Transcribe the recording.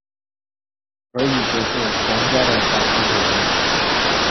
而与则是皇家的打击球星。